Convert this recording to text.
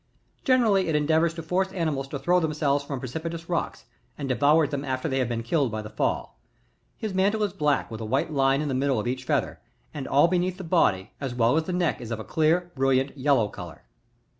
Generally it endeavours to force animds to throw themselves from precipitous rocks, and devours them after they have been killed by the fall. His mantle is black with a white line in the middle of each feather, and all beneath the body as well as the neck is of a clear, brilliant, yellow colour.